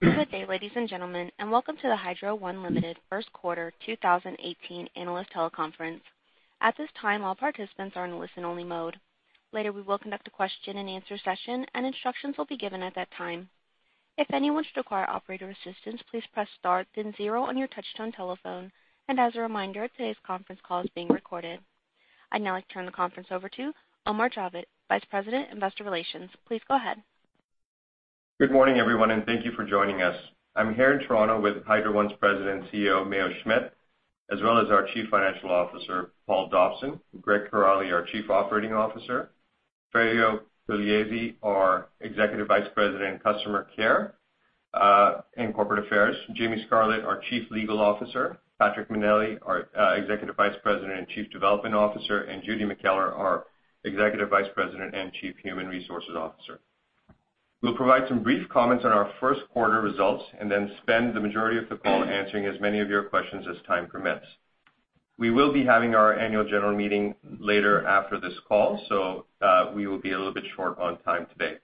Good day, ladies and gentlemen, welcome to the Hydro One Limited First Quarter 2018 Analyst Teleconference. At this time, all participants are in listen-only mode. Later, we will conduct a question-and-answer session, and instructions will be given at that time. If anyone should require operator assistance, please press star then zero on your touch-tone telephone. As a reminder, today's conference call is being recorded. I'd now like to turn the conference over to Omar Javed, Vice President, Investor Relations. Please go ahead. Good morning, everyone, thank you for joining us. I'm here in Toronto with Hydro One's President and CEO, Mayo Schmidt, as well as our Chief Financial Officer, Paul Dobson, Greg Kiraly, our Chief Operating Officer, Ferio Pugliese, our Executive Vice President in Customer Care and Corporate Affairs, James Scarlett, our Chief Legal Officer, Patrick Meneley, our Executive Vice President and Chief Development Officer, and Judy McKellar, our Executive Vice President and Chief Human Resources Officer. We'll provide some brief comments on our first quarter results and then spend the majority of the call answering as many of your questions as time permits. We will be having our annual general meeting later after this call, we will be a little bit short on time today.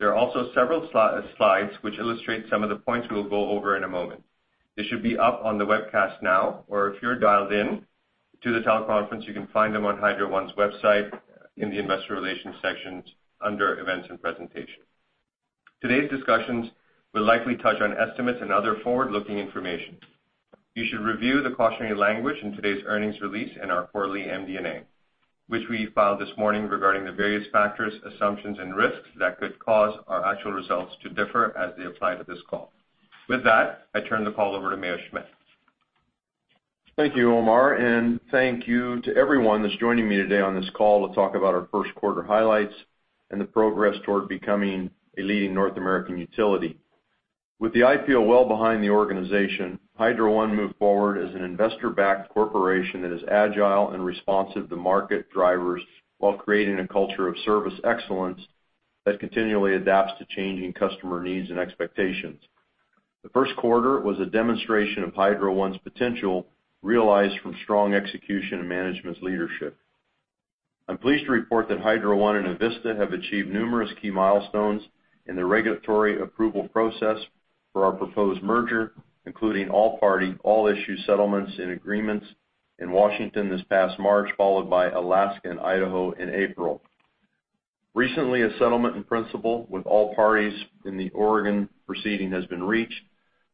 There are also several slides which illustrate some of the points we'll go over in a moment. They should be up on the webcast now, or if you're dialed in to the teleconference, you can find them on Hydro One's website in the investor relations sections under events and presentation. Today's discussions will likely touch on estimates and other forward-looking information. You should review the cautionary language in today's earnings release and our quarterly MD&A, which we filed this morning regarding the various factors, assumptions, and risks that could cause our actual results to differ as they apply to this call. With that, I turn the call over to Mayo Schmidt. Thank you, Omar, thank you to everyone that's joining me today on this call to talk about our first-quarter highlights and the progress toward becoming a leading North American utility. With the IPO well behind the organization, Hydro One moved forward as an investor-backed corporation that is agile and responsive to market drivers while creating a culture of service excellence that continually adapts to changing customer needs and expectations. The first quarter was a demonstration of Hydro One's potential, realized from strong execution and management's leadership. I'm pleased to report that Hydro One and Avista have achieved numerous key milestones in the regulatory approval process for our proposed merger, including all-party, all-issue settlements and agreements in Washington this past March, followed by Alaska and Idaho in April. Recently, a settlement in principle with all parties in the Oregon proceeding has been reached.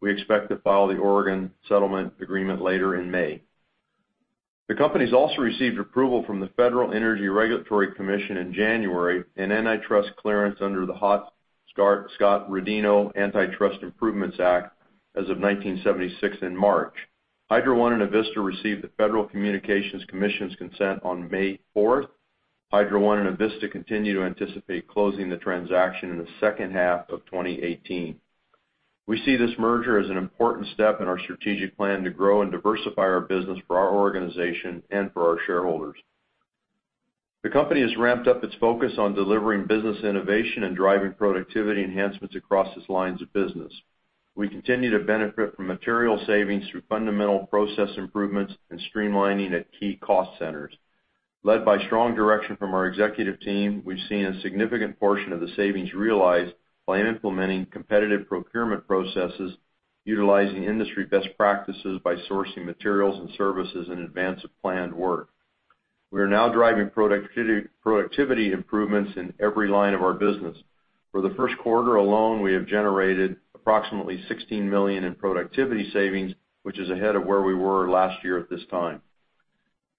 We expect to file the Oregon settlement agreement later in May. The companies also received approval from the Federal Energy Regulatory Commission in January, an antitrust clearance under the Hart-Scott-Rodino Antitrust Improvements Act of 1976 in March. Hydro One and Avista received the Federal Communications Commission's consent on May 4th. Hydro One and Avista continue to anticipate closing the transaction in the second half of 2018. We see this merger as an important step in our strategic plan to grow and diversify our business for our organization and for our shareholders. The company has ramped up its focus on delivering business innovation and driving productivity enhancements across its lines of business. We continue to benefit from material savings through fundamental process improvements and streamlining at key cost centers. Led by strong direction from our executive team, we've seen a significant portion of the savings realized by implementing competitive procurement processes, utilizing industry best practices by sourcing materials and services in advance of planned work. We are now driving productivity improvements in every line of our business. For the first quarter alone, we have generated approximately 16 million in productivity savings, which is ahead of where we were last year at this time.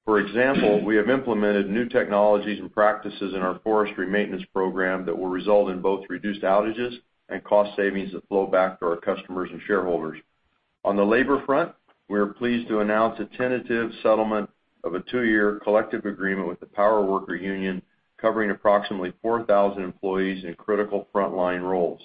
For example, we have implemented new technologies and practices in our forestry maintenance program that will result in both reduced outages and cost savings that flow back to our customers and shareholders. On the labor front, we are pleased to announce a tentative settlement of a two-year collective agreement with the Power Workers' Union covering approximately 4,000 employees in critical frontline roles.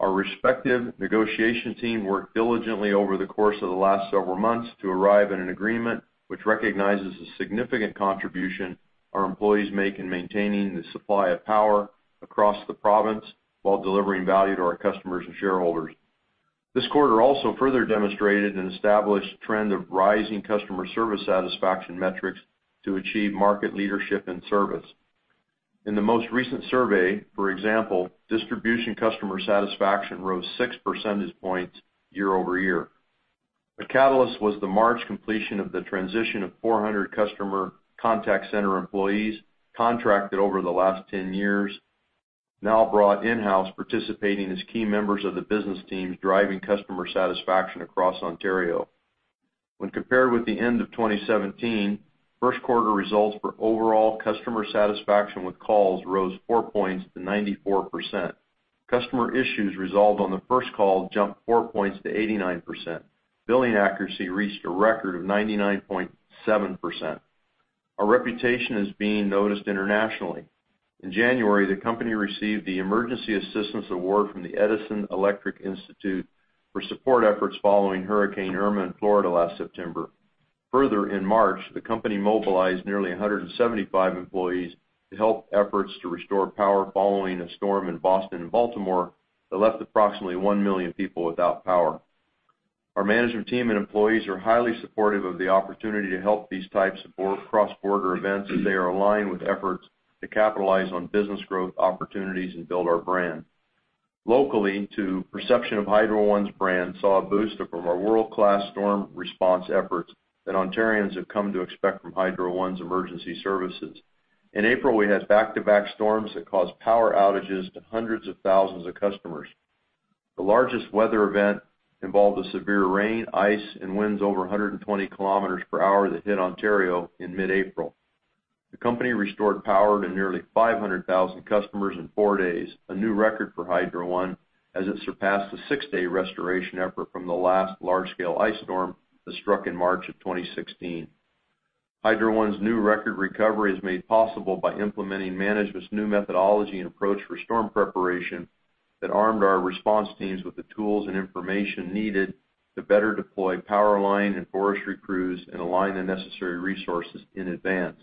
Our respective negotiation team worked diligently over the course of the last several months to arrive at an agreement which recognizes the significant contribution our employees make in maintaining the supply of power across the province while delivering value to our customers and shareholders. This quarter also further demonstrated an established trend of rising customer service satisfaction metrics to achieve market leadership and service. In the most recent survey, for example, distribution customer satisfaction rose six percentage points year-over-year. The catalyst was the March completion of the transition of 400 customer contact center employees contracted over the last 10 years, now brought in-house, participating as key members of the business teams driving customer satisfaction across Ontario. When compared with the end of 2017, first quarter results for overall customer satisfaction with calls rose four points to 94%. Customer issues resolved on the first call jumped four points to 89%. Billing accuracy reached a record of 99.7%. Our reputation is being noticed internationally. In January, the company received the Emergency Assistance Award from the Edison Electric Institute for support efforts following Hurricane Irma in Florida last September. In March, the company mobilized nearly 175 employees to help efforts to restore power following a storm in Boston and Baltimore that left approximately 1 million people without power. Our management team and employees are highly supportive of the opportunity to help these types of cross-border events as they are aligned with efforts to capitalize on business growth opportunities and build our brand. Locally, too, perception of Hydro One's brand saw a boost from our world-class storm response efforts that Ontarians have come to expect from Hydro One's emergency services. In April, we had back-to-back storms that caused power outages to hundreds of thousands of customers. The largest weather event involved a severe rain, ice, and winds over 120 km per hour that hit Ontario in mid-April. The company restored power to nearly 500,000 customers in four days, a new record for Hydro One, as it surpassed the six-day restoration effort from the last large-scale ice storm that struck in March of 2016. Hydro One's new record recovery is made possible by implementing management's new methodology and approach for storm preparation that armed our response teams with the tools and information needed to better deploy power line and forestry crews and align the necessary resources in advance.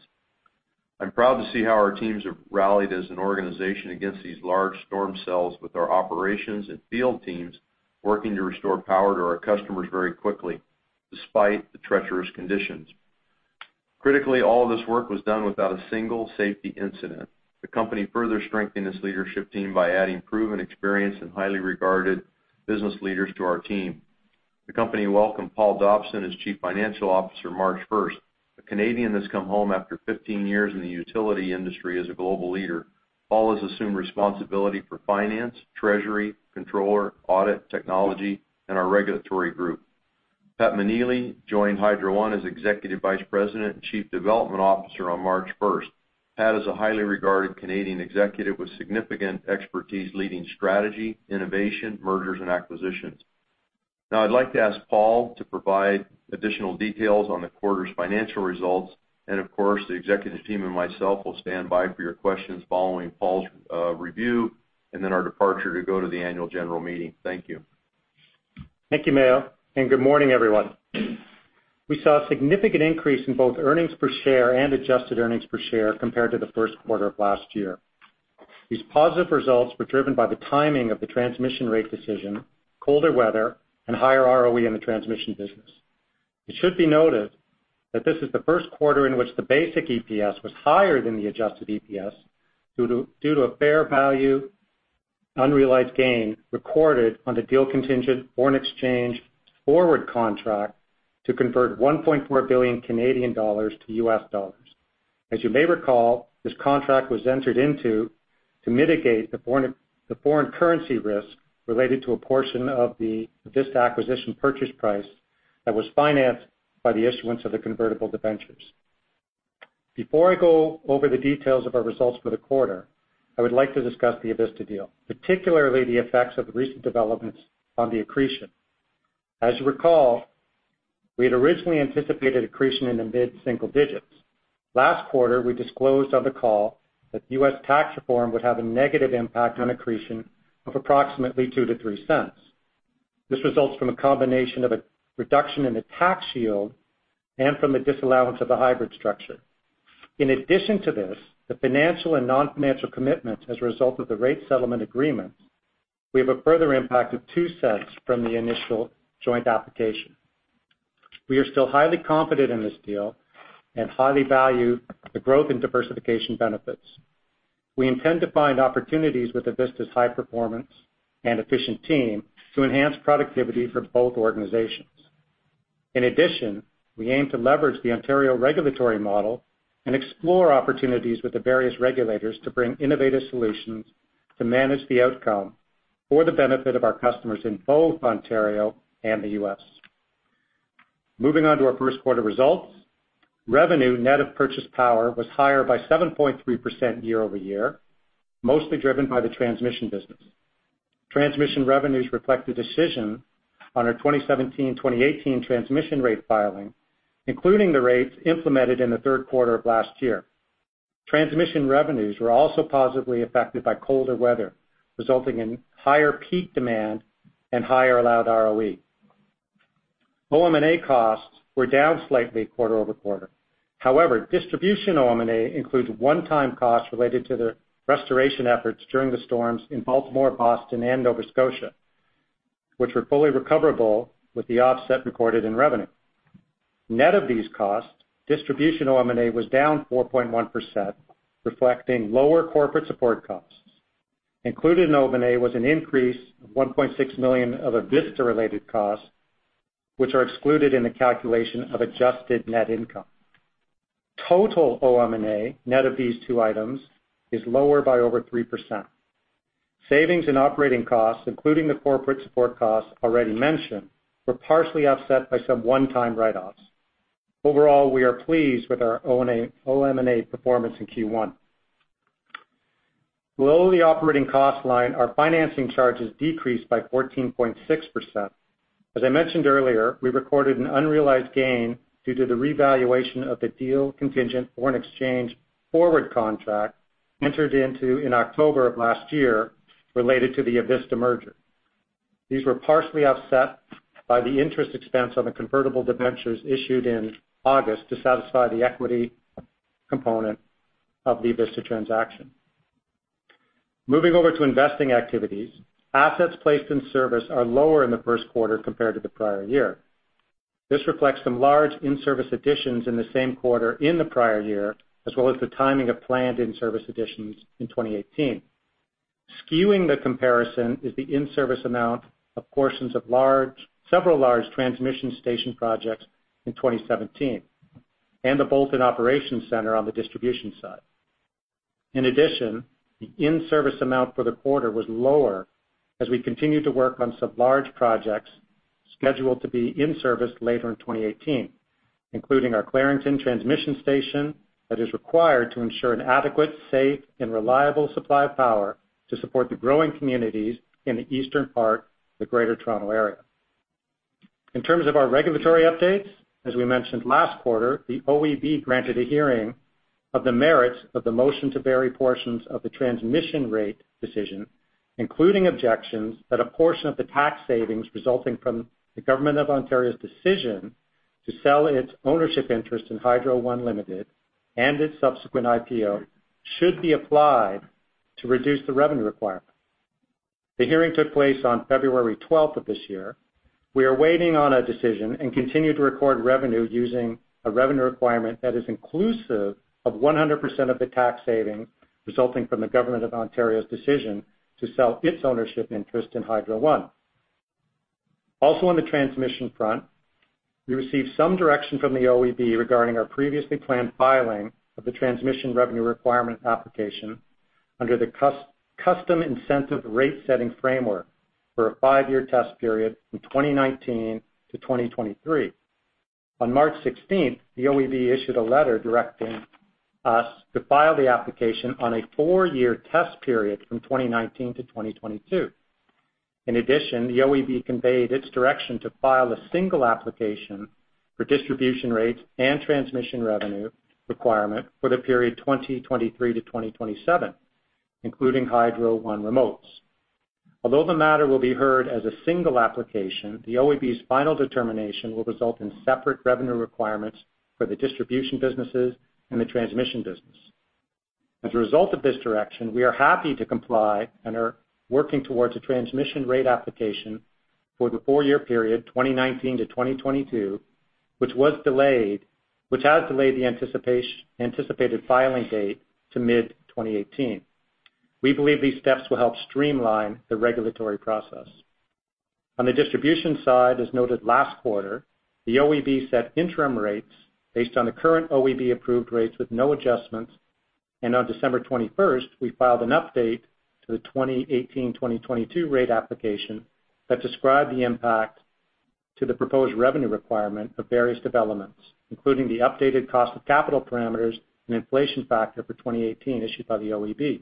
I'm proud to see how our teams have rallied as an organization against these large storm cells with our operations and field teams working to restore power to our customers very quickly despite the treacherous conditions. Critically, all this work was done without a single safety incident. The company further strengthened its leadership team by adding proven experience and highly regarded business leaders to our team. The company welcomed Paul Dobson as Chief Financial Officer March 1st. A Canadian that's come home after 15 years in the utility industry as a global leader. Paul has assumed responsibility for finance, treasury, controller, audit, technology, and our regulatory group. Pat Meneely joined Hydro One as Executive Vice President and Chief Development Officer on March 1st. Pat is a highly regarded Canadian executive with significant expertise leading strategy, innovation, mergers, and acquisitions. I'd like to ask Paul to provide additional details on the quarter's financial results, and of course, the executive team and myself will stand by for your questions following Paul's review, and then our departure to go to the annual general meeting. Thank you. Thank you, Mayo. Good morning, everyone. We saw a significant increase in both earnings per share and adjusted earnings per share compared to the first quarter of last year. These positive results were driven by the timing of the transmission rate decision, colder weather, and higher ROE in the transmission business. It should be noted that this is the first quarter in which the basic EPS was higher than the adjusted EPS due to a fair value unrealized gain recorded on the deal contingent foreign exchange forward contract to convert 1.4 billion Canadian dollars to USD. As you may recall, this contract was entered into to mitigate the foreign currency risk related to a portion of the Avista acquisition purchase price that was financed by the issuance of the convertible debentures. Before I go over the details of our results for the quarter, I would like to discuss the Avista deal, particularly the effects of the recent developments on the accretion. As you recall, we had originally anticipated accretion in the mid-single digits. Last quarter, we disclosed on the call that the U.S. tax reform would have a negative impact on accretion of approximately 0.02-0.03. This results from a combination of a reduction in the tax shield and from a disallowance of the hybrid structure. In addition to this, the financial and non-financial commitments as a result of the rate settlement agreements, we have a further impact of 0.02 from the initial joint application. We are still highly confident in this deal and highly value the growth and diversification benefits. We intend to find opportunities with Avista's high-performance and efficient team to enhance productivity for both organizations. In addition, we aim to leverage the Ontario regulatory model and explore opportunities with the various regulators to bring innovative solutions to manage the outcome for the benefit of our customers in both Ontario and the U.S. Moving on to our first quarter results. Revenue net of purchase power was higher by 7.3% year-over-year, mostly driven by the transmission business. Transmission revenues reflect the decision on our 2017-2018 transmission rate filing, including the rates implemented in the third quarter of last year. Transmission revenues were also positively affected by colder weather, resulting in higher peak demand and higher allowed ROE. OM&A costs were down slightly quarter-over-quarter. However, distribution OM&A includes one-time costs related to the restoration efforts during the storms in Baltimore, Boston, and Nova Scotia, which were fully recoverable with the offset recorded in revenue. Net of these costs, distribution OM&A was down 4.1%, reflecting lower corporate support costs. Included in OM&A was an increase of 1.6 million of Avista-related costs, which are excluded in the calculation of adjusted net income. Total OM&A, net of these two items, is lower by over 3%. Savings and operating costs, including the corporate support costs already mentioned, were partially offset by some one-time write-offs. Overall, we are pleased with our OM&A performance in Q1. Below the operating cost line, our financing charges decreased by 14.6%. As I mentioned earlier, we recorded an unrealized gain due to the revaluation of the deal-contingent foreign exchange forward contract entered into in October of last year related to the Avista merger. These were partially offset by the interest expense on the convertible debentures issued in August to satisfy the equity component of the Avista transaction. Moving over to investing activities, assets placed in service are lower in the first quarter compared to the prior year. This reflects some large in-service additions in the same quarter in the prior year, as well as the timing of planned in-service additions in 2018. Skewing the comparison is the in-service amount of portions of several large transmission station projects in 2017 and the Bolton operations center on the distribution side. In addition, the in-service amount for the quarter was lower as we continue to work on some large projects scheduled to be in service later in 2018, including our Clarington transmission station that is required to ensure an adequate, safe, and reliable supply of power to support the growing communities in the eastern part of the Greater Toronto area. In terms of our regulatory updates, as we mentioned last quarter, the OEB granted a hearing of the merits of the motion to vary portions of the transmission rate decision, including objections that a portion of the tax savings resulting from the government of Ontario's decision to sell its ownership interest in Hydro One Limited and its subsequent IPO should be applied to reduce the revenue requirement. The hearing took place on February 12th of this year. We are waiting on a decision and continue to record revenue using a revenue requirement that is inclusive of 100% of the tax saving resulting from the government of Ontario's decision to sell its ownership interest in Hydro One. On the transmission front, we received some direction from the OEB regarding our previously planned filing of the transmission revenue requirement application under the Custom Incentive Rate-setting framework for a five-year test period from 2019 to 2023. On March 16th, the OEB issued a letter directing us to file the application on a four-year test period from 2019 to 2022. In addition, the OEB conveyed its direction to file a single application for distribution rates and transmission revenue requirement for the period 2023 to 2027, including Hydro One Remotes. Although the matter will be heard as a single application, the OEB's final determination will result in separate revenue requirements for the distribution businesses and the transmission business. As a result of this direction, we are happy to comply and are working towards a transmission rate application for the four-year period, 2019 to 2022, which has delayed the anticipated filing date to mid-2018. We believe these steps will help streamline the regulatory process. On the distribution side, as noted last quarter, the OEB set interim rates based on the current OEB-approved rates with no adjustments. On December 21st, we filed an update to the 2018-2022 rate application that described the impact to the proposed revenue requirement of various developments, including the updated cost of capital parameters and inflation factor for 2018 issued by the OEB,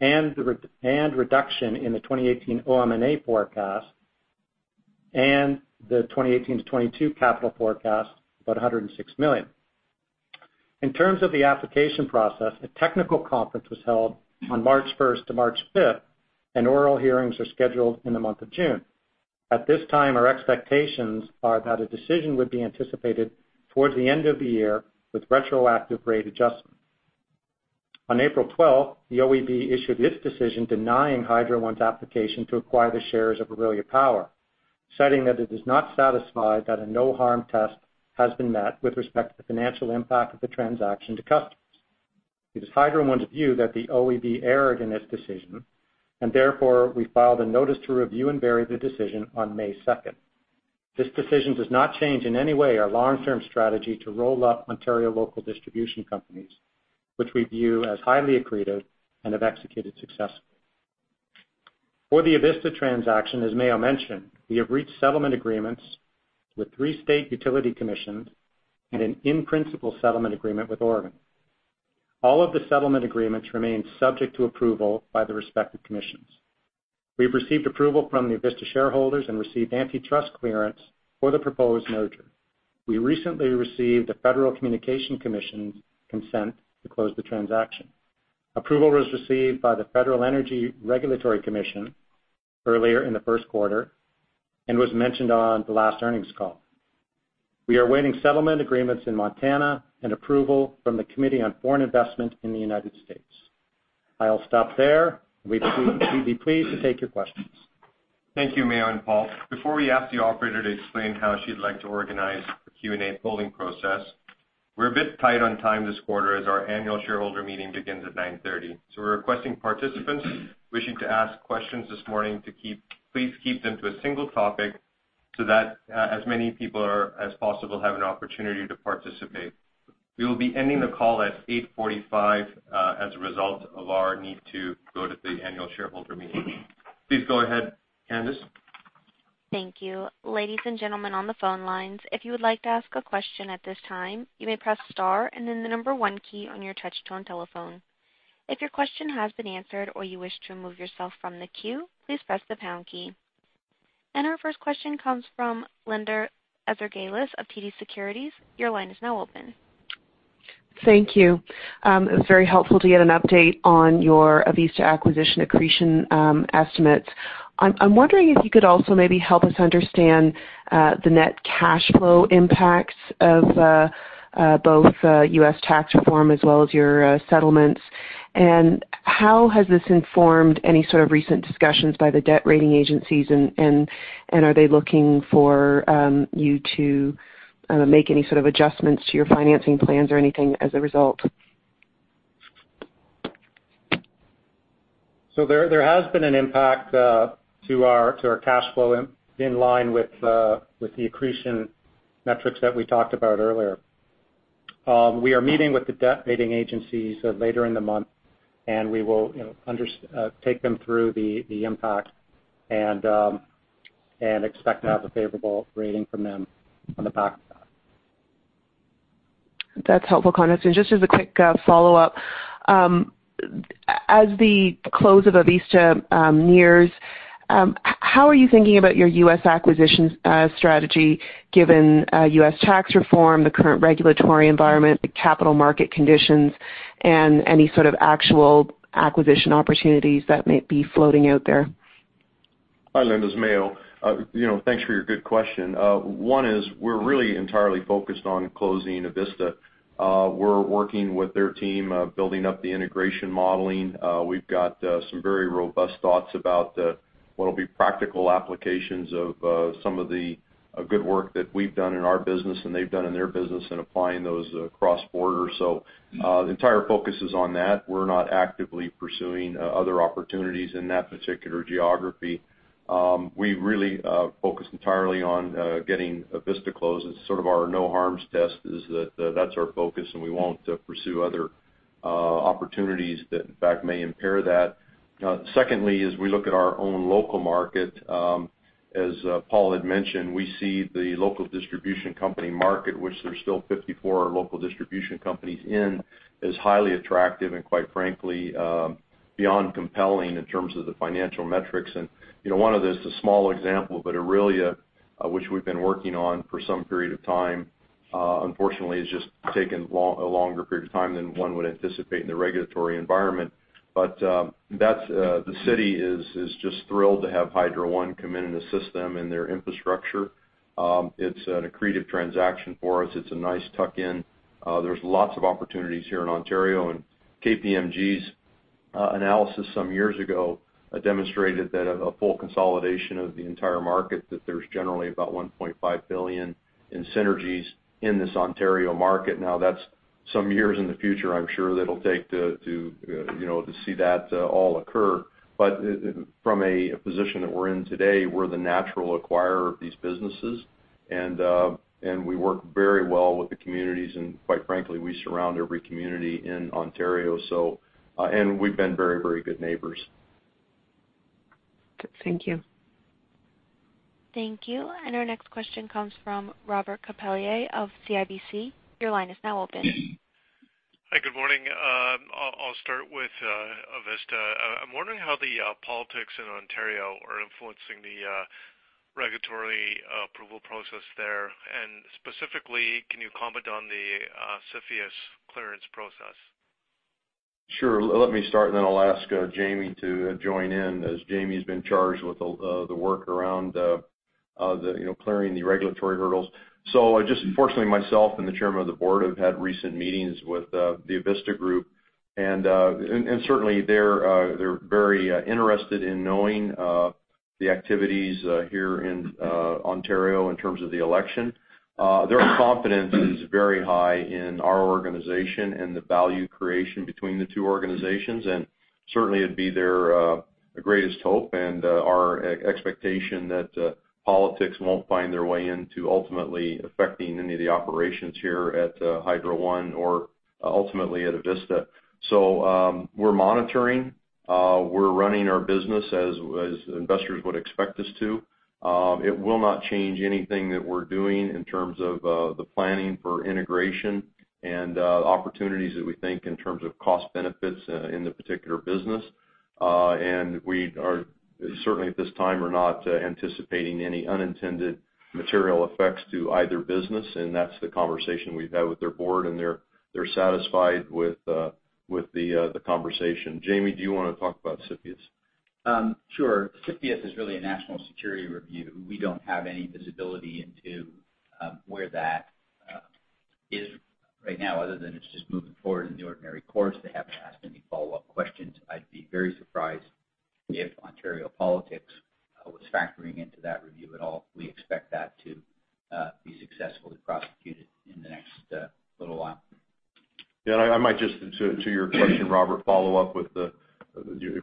and reduction in the 2018 OM&A forecast and the 2018 to 2022 capital forecast of 106 million. In terms of the application process, a technical conference was held on March 1st to March 5th, and oral hearings are scheduled in the month of June. At this time, our expectations are that a decision would be anticipated towards the end of the year with retroactive rate adjustment. On April 12th, the OEB issued its decision denying Hydro One's application to acquire the shares of Orillia Power, citing that it is not satisfied that a no-harm test has been met with respect to the financial impact of the transaction to customers. It is Hydro One's view that the OEB erred in its decision, and therefore we filed a notice to review and vary the decision on May 2nd. This decision does not change in any way our long-term strategy to roll up Ontario local distribution companies, which we view as highly accretive and have executed successfully. For the Avista transaction, as Mayo mentioned, we have reached settlement agreements with three state utility commissions and an in-principle settlement agreement with Oregon. All of the settlement agreements remain subject to approval by the respective commissions. We've received approval from the Avista shareholders and received antitrust clearance for the proposed merger. We recently received the Federal Communications Commission's consent to close the transaction. Approval was received by the Federal Energy Regulatory Commission earlier in the first quarter and was mentioned on the last earnings call. We are awaiting settlement agreements in Montana and approval from the Committee on Foreign Investment in the United States. I'll stop there. We'd be pleased to take your questions. Thank you, Mayo and Paul. Before we ask the operator to explain how she'd like to organize the Q&A polling process, we're a bit tight on time this quarter as our annual shareholder meeting begins at 9:30 A.M. We're requesting participants wishing to ask questions this morning to please keep them to a single topic so that as many people as possible have an opportunity to participate. We will be ending the call at 8:45 A.M. as a result of our need to go to the annual shareholder meeting. Please go ahead, Candice. Thank you. Ladies and gentlemen on the phone lines, if you would like to ask a question at this time, you may press star and then the number one key on your touch-tone telephone. If your question has been answered or you wish to remove yourself from the queue, please press the pound key. Our first question comes from Linda Ezergailis of TD Securities. Your line is now open. Thank you. It was very helpful to get an update on your Avista acquisition accretion estimates. I'm wondering if you could also maybe help us understand the net cash flow impacts of both U.S. tax reform as well as your settlements. How has this informed any sort of recent discussions by the debt rating agencies? Are they looking for you to make any sort of adjustments to your financing plans or anything as a result? There has been an impact to our cash flow in line with the accretion metrics that we talked about earlier. We are meeting with the debt rating agencies later in the month, and we will take them through the impact and expect to have a favorable rating from them on the back of that. That's helpful context. Just as a quick follow-up. As the close of Avista nears, how are you thinking about your U.S. acquisitions strategy given U.S. tax reform, the current regulatory environment, the capital market conditions, and any sort of actual acquisition opportunities that might be floating out there? Hi, Linda. It's Mayo. Thanks for your good question. One is we're really entirely focused on closing Avista. We're working with their team, building up the integration modeling. We've got some very robust thoughts about what'll be practical applications of some of the good work that we've done in our business, and they've done in their business, and applying those cross-border. The entire focus is on that. We're not actively pursuing other opportunities in that particular geography. We really focus entirely on getting Avista closed. It's sort of our no-harm test is that that's our focus, and we won't pursue other opportunities that in fact may impair that. Secondly, as we look at our own local market, as Paul had mentioned, we see the local distribution company market, which there's still 54 local distribution companies in, is highly attractive and quite frankly, beyond compelling in terms of the financial metrics. One of the, it's a small example, Orillia, which we've been working on for some period of time, unfortunately has just taken a longer period of time than one would anticipate in the regulatory environment. The city is just thrilled to have Hydro One come in and assist them in their infrastructure. It's an accretive transaction for us. It's a nice tuck-in. There's lots of opportunities here in Ontario. KPMG's analysis some years ago demonstrated that a full consolidation of the entire market, that there's generally about 1.5 billion in synergies in this Ontario market. That's some years in the future, I'm sure, that'll take to see that all occur. From a position that we're in today, we're the natural acquirer of these businesses. We work very well with the communities, and quite frankly, we surround every community in Ontario. We've been very good neighbors. Thank you. Thank you. Our next question comes from Robert Catellier of CIBC. Your line is now open. Hi, good morning. I'll start with Avista. I'm wondering how the politics in Ontario are influencing the regulatory approval process there. Specifically, can you comment on the CFIUS clearance process? Sure. Let me start, then I'll ask Jamie to join in, as Jamie's been charged with the work around clearing the regulatory hurdles. Just fortunately, myself and the chairman of the board have had recent meetings with the Avista Group. Certainly, they're very interested in knowing the activities here in Ontario in terms of the election. Their confidence is very high in our organization and the value creation between the two organizations. Certainly, it'd be their greatest hope and our expectation that politics won't find their way into ultimately affecting any of the operations here at Hydro One or ultimately at Avista. We're monitoring. We're running our business as investors would expect us to. It will not change anything that we're doing in terms of the planning for integration and opportunities that we think in terms of cost benefits in the particular business. We are certainly at this time are not anticipating any unintended material effects to either business, and that's the conversation we've had with their board, and they're satisfied with the conversation. Jamie, do you want to talk about CFIUS? Sure. CFIUS is really a national security review. We don't have any visibility into where that is right now, other than it's just moving forward in the ordinary course. They haven't asked any follow-up questions. I'd be very surprised if Ontario politics was factoring into that review at all. We expect that to be successfully prosecuted in the next little while. I might just, to your question, Robert, follow up with the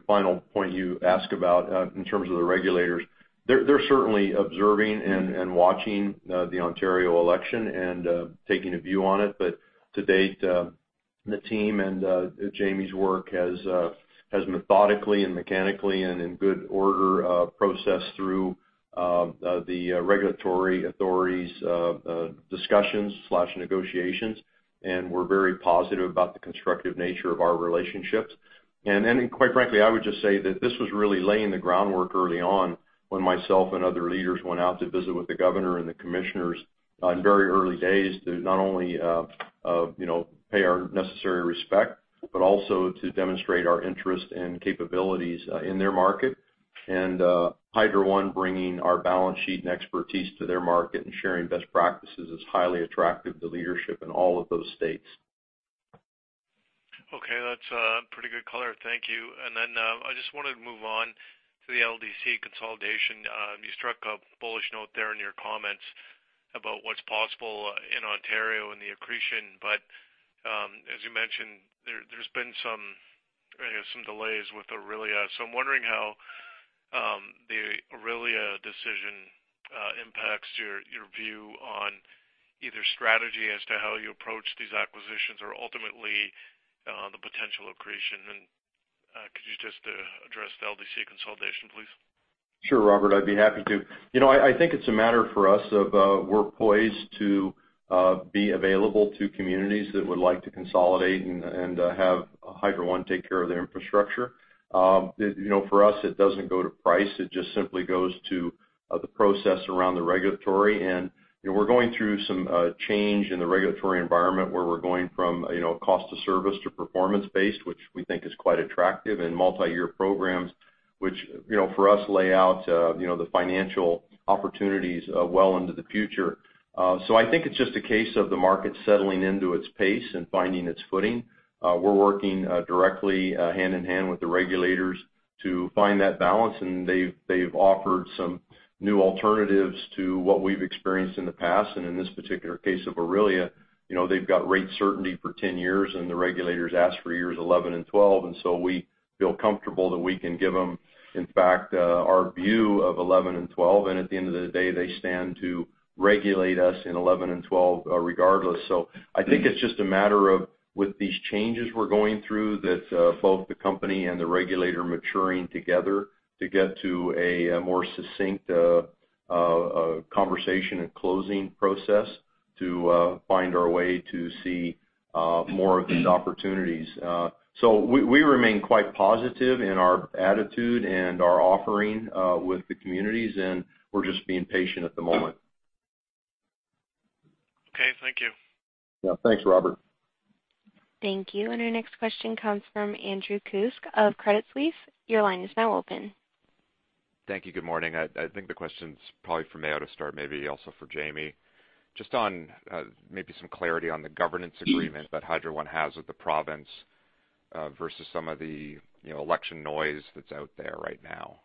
final point you ask about in terms of the regulators. They're certainly observing and watching the Ontario election and taking a view on it. To date, the team and Jamie's work has methodically and mechanically and in good order, processed through the regulatory authorities' discussions/negotiations. We're very positive about the constructive nature of our relationships. Quite frankly, I would just say that this was really laying the groundwork early on when myself and other leaders went out to visit with the governor and the commissioners in very early days to not only pay our necessary respect but also to demonstrate our interest and capabilities in their market. Hydro One bringing our balance sheet and expertise to their market and sharing best practices is highly attractive to leadership in all of those states. Okay, that's pretty good color. Thank you. I just wanted to move on to the LDC consolidation. You struck a bullish note there in your comments about what's possible in Ontario and the accretion. As you mentioned, there's been some delays with Orillia. I'm wondering how the Orillia decision impacts your view on either strategy as to how you approach these acquisitions or ultimately the potential accretion. Could you just address the LDC consolidation, please? Sure, Robert, I'd be happy to. I think it's a matter for us of we're poised to be available to communities that would like to consolidate and have Hydro One take care of their infrastructure. For us, it doesn't go to price. It just simply goes to the process around the regulatory. We're going through some change in the regulatory environment where we're going from cost of service to performance-based, which we think is quite attractive and multi-year programs, which, for us lay out the financial opportunities well into the future. I think it's just a case of the market settling into its pace and finding its footing. We're working directly hand-in-hand with the regulators to find that balance, and they've offered some new alternatives to what we've experienced in the past. In this particular case of Orillia, they've got rate certainty for 10 years, and the regulators ask for years 11 and 12. We feel comfortable that we can give them, in fact, our view of 11 and 12. At the end of the day, they stand to regulate us in 11 and 12 regardless. I think it's just a matter of with these changes we're going through that both the company and the regulator maturing together to get to a more succinct conversation and closing process to find our way to see more of these opportunities. We remain quite positive in our attitude and our offering with the communities, and we're just being patient at the moment. Okay. Thank you. Thanks, Robert. Thank you. Our next question comes from Andrew Kuske of Credit Suisse. Your line is now open. Thank you. Good morning. I think the question's probably for Mayo to start, maybe also for Jamie. Just on maybe some clarity on the governance agreement that Hydro One has with the province versus some of the election noise that's out there right now.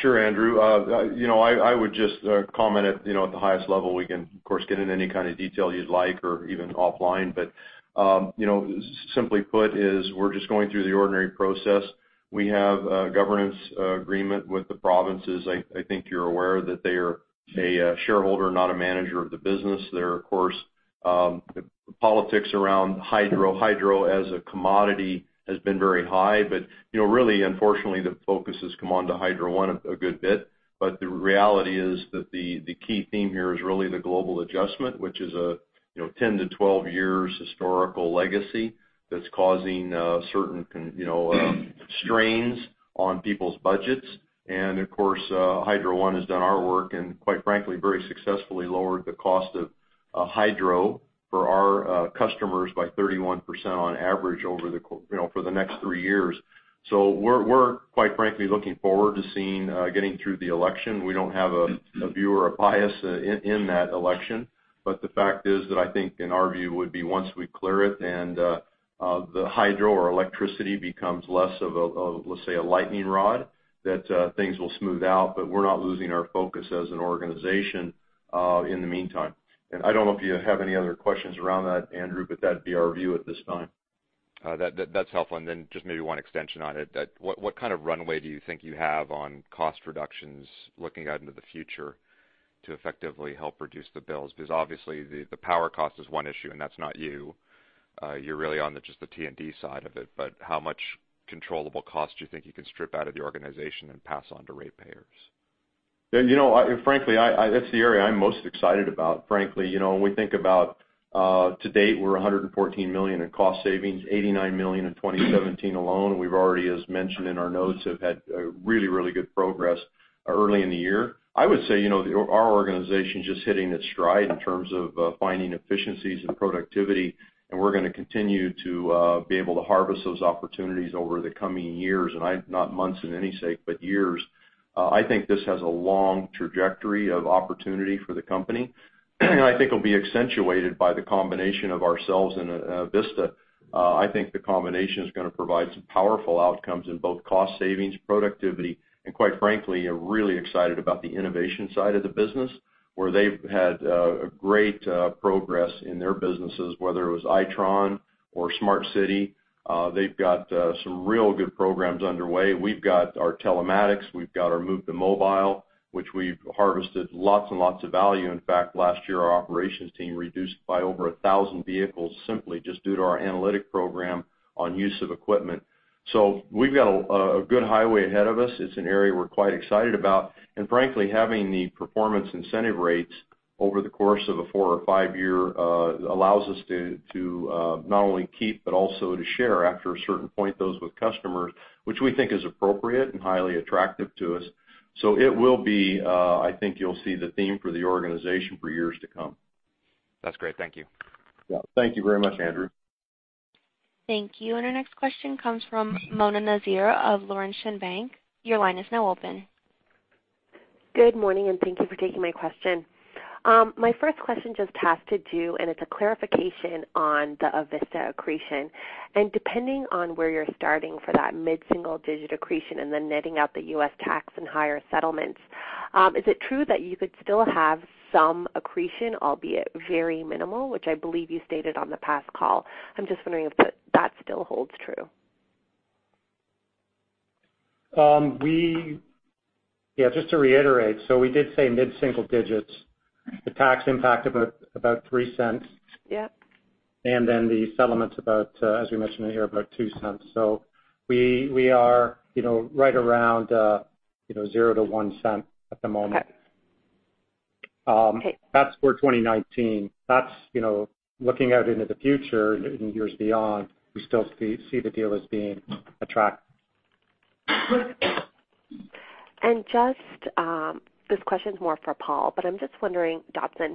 Sure, Andrew. I would just comment at the highest level we can, of course, get in any kind of detail you'd like or even offline, but simply put is we're just going through the ordinary process. We have a governance agreement with the provinces. I think you're aware that they are a shareholder, not a manager of the business. They're, of course, politics around hydro. Hydro as a commodity has been very high. Really, unfortunately, the focus has come on to Hydro One a good bit. The reality is that the key theme here is really the Global Adjustment, which is a 10-12 years historical legacy that's causing certain strains on people's budgets. Of course, Hydro One has done our work and quite frankly, very successfully lowered the cost of hydro for our customers by 31% on average for the next three years. We're quite frankly, looking forward to getting through the election. We don't have a view or a bias in that election. The fact is that I think in our view would be once we clear it and the Hydro or electricity becomes less of, let's say, a lightning rod, that things will smooth out, but we're not losing our focus as an organization in the meantime. I don't know if you have any other questions around that, Andrew, but that'd be our view at this time. That's helpful. Then just maybe one extension on it, what kind of runway do you think you have on cost reductions looking out into the future to effectively help reduce the bills? Because obviously the power cost is one issue, and that's not you. You're really on just the T&D side of it, but how much controllable cost do you think you can strip out of the organization and pass on to ratepayers? Frankly, that's the area I'm most excited about, frankly. When we think about to date, we're 114 million in cost savings, 89 million in 2017 alone. We've already, as mentioned in our notes, have had really, really good progress early in the year. I would say our organization's just hitting its stride in terms of finding efficiencies and productivity, and we're going to continue to be able to harvest those opportunities over the coming years, and not months in any sake, but years. I think this has a long trajectory of opportunity for the company, and I think it'll be accentuated by the combination of ourselves and Avista. I think the combination is going to provide some powerful outcomes in both cost savings, productivity, and quite frankly, I'm really excited about the innovation side of the business where they've had a great progress in their businesses, whether it was Itron or Smart City. They've got some real good programs underway. We've got our telematics, we've got our Move the Mobile, which we've harvested lots and lots of value. In fact, last year, our operations team reduced by over 1,000 vehicles simply just due to our analytic program on use of equipment. We've got a good highway ahead of us. It's an area we're quite excited about. Frankly, having the performance incentive rates over the course of a four or five-year allows us to not only keep but also to share after a certain point those with customers, which we think is appropriate and highly attractive to us. It will be, I think you'll see the theme for the organization for years to come. That's great. Thank you. Thank you very much, Andrew. Thank you. Our next question comes from Mona Nazir of Laurentian Bank. Your line is now open. Good morning. Thank you for taking my question. My first question just has to do, and it's a clarification on the Avista accretion. Depending on where you're starting for that mid-single-digit accretion and then netting out the U.S. tax and higher settlements, is it true that you could still have some accretion, albeit very minimal, which I believe you stated on the past call? I'm just wondering if that still holds true. Just to reiterate, we did say mid-single digits. The tax impact about 0.03. Yep. The settlement's about, as we mentioned here, about 0.02. We are right around 0.00-0.01 at the moment. Okay. That's for 2019. That's looking out into the future, in years beyond, we still see the deal as being attractive. This question's more for Paul Dobson,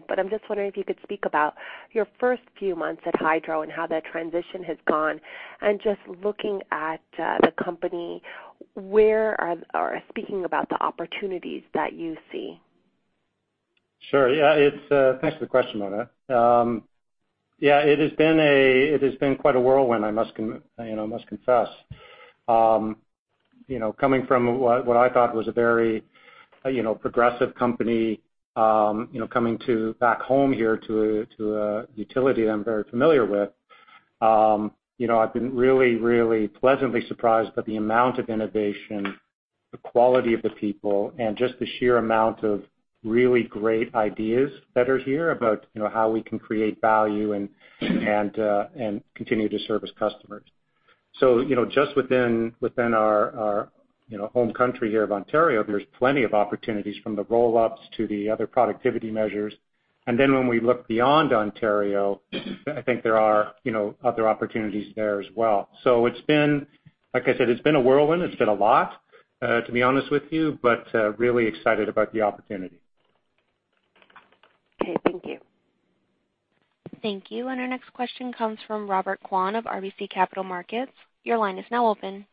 but I'm just wondering if you could speak about your first few months at Hydro One and how that transition has gone, and just looking at the company or speaking about the opportunities that you see. Sure. Yeah. Thanks for the question, Mona. Yeah, it has been quite a whirlwind, I must confess. Coming from what I thought was a very progressive company, coming back home here to a utility that I'm very familiar with. I've been really pleasantly surprised by the amount of innovation, the quality of the people, and just the sheer amount of really great ideas that are here about how we can create value and continue to service customers. Just within our home country here of Ontario, there's plenty of opportunities from the roll-ups to the other productivity measures. When we look beyond Ontario, I think there are other opportunities there as well. Like I said, it's been a whirlwind. It's been a lot, to be honest with you, but really excited about the opportunity. Okay. Thank you. Thank you. Our next question comes from Robert Kwan of RBC Capital Markets. Your line is now open.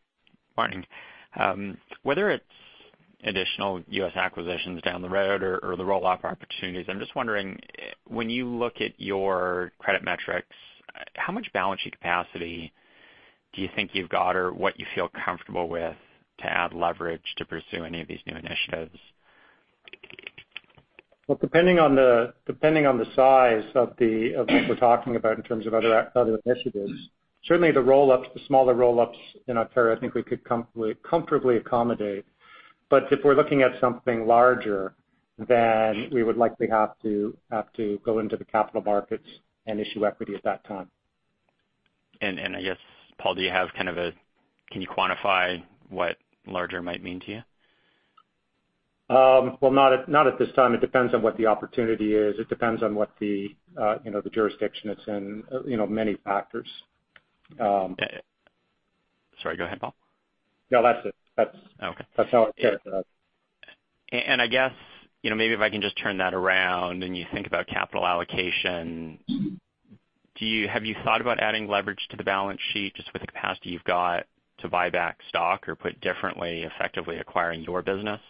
Morning. Whether it's additional U.S. acquisitions down the road or the roll-off opportunities, I'm just wondering, when you look at your credit metrics, how much balance sheet capacity do you think you've got or what you feel comfortable with to add leverage to pursue any of these new initiatives? Well, depending on the size of what we're talking about in terms of other initiatives, certainly the roll-ups, the smaller roll-ups in Ontario, I think we could comfortably accommodate. If we're looking at something larger, we would likely have to go into the capital markets and issue equity at that time. I guess, Paul, can you quantify what larger might mean to you? Well, not at this time. It depends on what the opportunity is. It depends on what the jurisdiction it's in, many factors. Sorry, go ahead, Paul. No, that's it. Okay. That's how I characterize it. I guess, maybe if I can just turn that around and you think about capital allocation, have you thought about adding leverage to the balance sheet just with the capacity you've got to buy back stock or put differently, effectively acquiring your business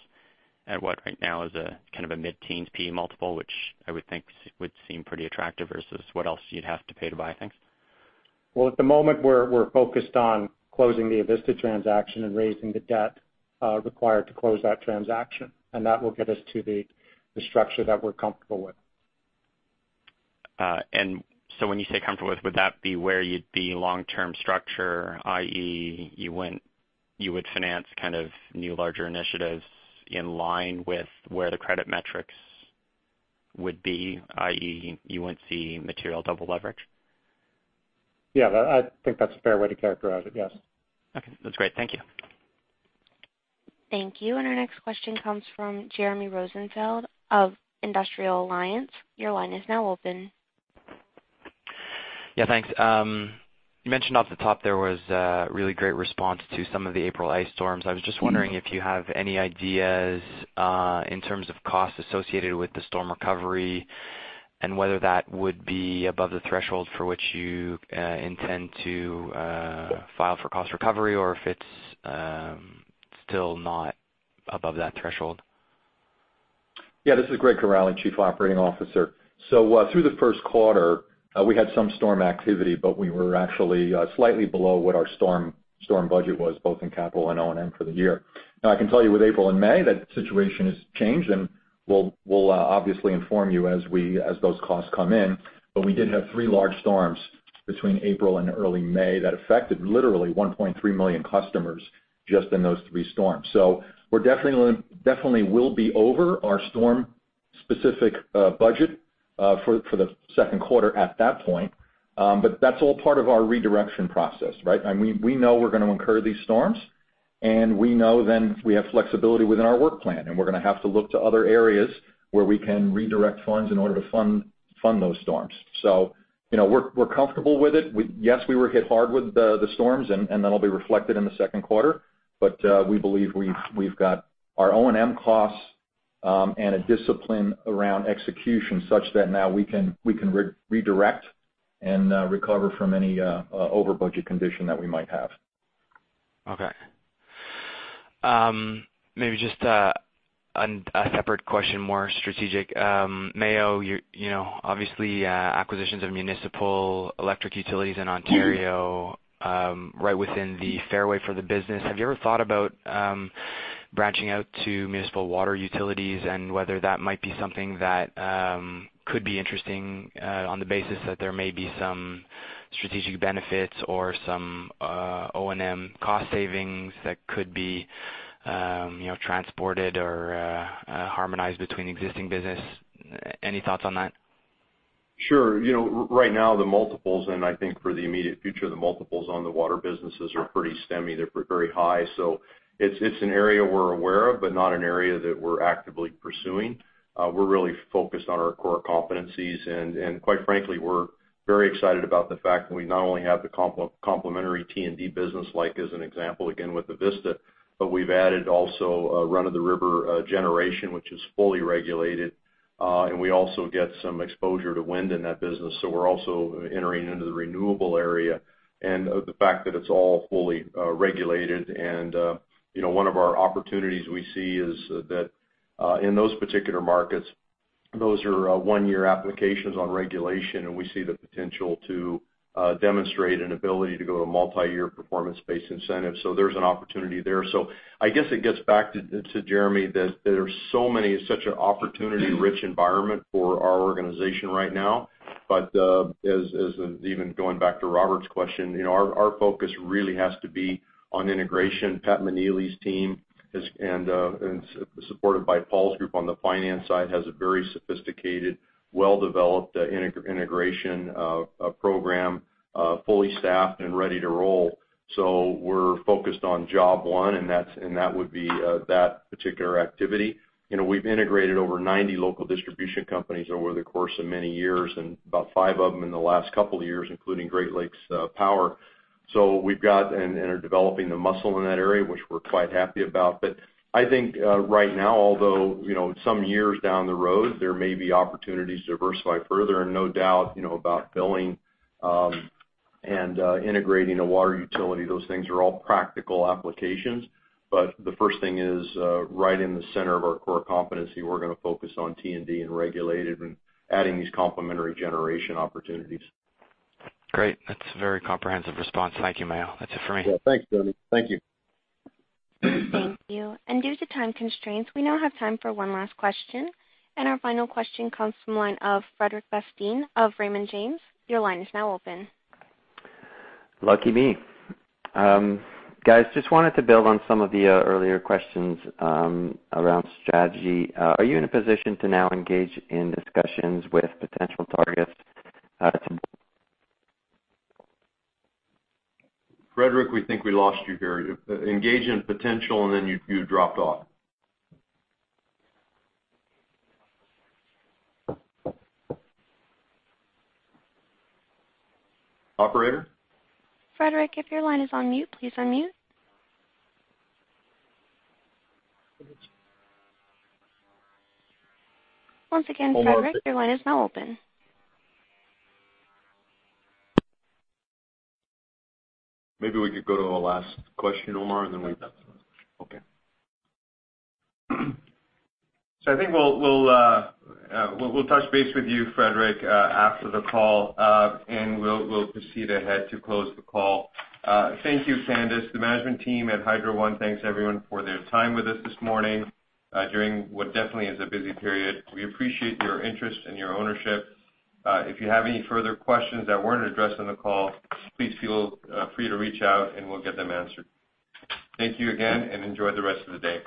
at what right now is a kind of a mid-teens P/E multiple, which I would think would seem pretty attractive versus what else you'd have to pay to buy things? Well, at the moment, we're focused on closing the Avista transaction and raising the debt required to close that transaction, that will get us to the structure that we're comfortable with. When you say comfortable with, would that be where you'd be long-term structure, i.e., you would finance kind of new larger initiatives in line with where the credit metrics would be, i.e., you wouldn't see material double leverage? Yeah, I think that's a fair way to characterize it. Yes. Okay. That's great. Thank you. Thank you. Our next question comes from Jeremy Rosenfield of Industrial Alliance. Your line is now open. Yeah, thanks. You mentioned off the top there was a really great response to some of the April ice storms. I was just wondering if you have any ideas, in terms of costs associated with the storm recovery and whether that would be above the threshold for which you intend to file for cost recovery or if it's still not above that threshold. Yeah, this is Greg Kiraly, Chief Operating Officer. Through the first quarter, we had some storm activity, but we were actually slightly below what our storm budget was, both in capital and O&M for the year. I can tell you with April and May, that situation has changed, and we'll obviously inform you as those costs come in. We did have three large storms between April and early May that affected literally 1.3 million customers just in those three storms. We definitely will be over our storm-specific budget for the second quarter at that point. That's all part of our redirection process, right? We know we're going to incur these storms, and we know we have flexibility within our work plan, and we're going to have to look to other areas where we can redirect funds in order to fund those storms. We're comfortable with it. Yes, we were hit hard with the storms, and that'll be reflected in the second quarter. We believe we've got our O&M costs A discipline around execution such that now we can redirect and recover from any over budget condition that we might have. Okay. Maybe just a separate question, more strategic. Mayo, obviously, acquisitions of municipal electric utilities in Ontario, right within the fairway for the business. Have you ever thought about branching out to municipal water utilities and whether that might be something that could be interesting on the basis that there may be some strategic benefits or some O&M cost savings that could be transported or harmonized between existing business? Any thoughts on that? Sure. Right now, the multiples, I think for the immediate future, the multiples on the water businesses are pretty steamy. They're very high. It's an area we're aware of, but not an area that we're actively pursuing. We're really focused on our core competencies. Quite frankly, we're very excited about the fact that we not only have the complementary T&D business, like as an example, again, with Avista, we've added also a run-of-the-river generation, which is fully regulated. We also get some exposure to wind in that business, we're also entering into the renewable area. The fact that it's all fully regulated and one of our opportunities we see is that in those particular markets, those are 1-year applications on regulation, and we see the potential to demonstrate an ability to go to multi-year performance-based incentives. There's an opportunity there. I guess it gets back to Jeremy, that there's so many, such an opportunity-rich environment for our organization right now. As even going back to Robert's question, our focus really has to be on integration. Pat Meneley's team is, and supported by Paul's group on the finance side, has a very sophisticated, well-developed integration program, fully staffed and ready to roll. We're focused on job one, and that would be that particular activity. We've integrated over 90 local distribution companies over the course of many years and about five of them in the last couple of years, including Great Lakes Power. We've got and are developing the muscle in that area, which we're quite happy about. I think right now, although some years down the road, there may be opportunities to diversify further and no doubt about billing and integrating a water utility. Those things are all practical applications. The first thing is right in the center of our core competency, we're going to focus on T&D and regulated and adding these complementary generation opportunities. Great. That's a very comprehensive response. Thank you, Mayo. That's it for me. Thanks, Jeremy. Thank you. Thank you. Due to time constraints, we now have time for one last question, and our final question comes from the line of Frederic Bastien of Raymond James. Your line is now open. Lucky me. Guys, just wanted to build on some of the earlier questions around strategy. Are you in a position to now engage in discussions with potential targets to Frederic, we think we lost you here. Engage in potential, and then you dropped off. Operator? Frederic, if your line is on mute, please unmute. Once again, Frederic, your line is now open. Maybe we could go to our last question, Omar, and then we wrap up. Okay. I think we'll touch base with you, Frederic after the call. We'll proceed ahead to close the call. Thank you, Candice. The management team at Hydro One thanks everyone for their time with us this morning during what definitely is a busy period. We appreciate your interest and your ownership. If you have any further questions that weren't addressed on the call, please feel free to reach out and we'll get them answered. Thank you again, and enjoy the rest of the day.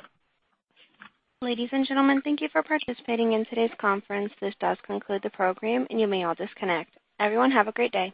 Ladies and gentlemen, thank you for participating in today's conference. This does conclude the program, and you may all disconnect. Everyone have a great day.